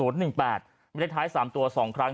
เลขท้าย๓ตัว๒ครั้ง